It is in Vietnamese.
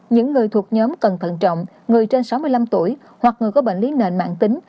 những người thuộc nhóm cẩn thận trọng người trên sáu mươi năm tuổi hoặc người có bệnh lý nền mạng tính